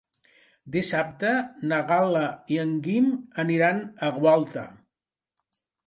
Dissabte na Gal·la i en Guim aniran a Gualta.